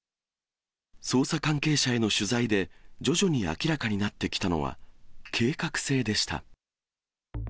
捜査関係者への取材で、徐々に明らかになってきたのは、計画性でした。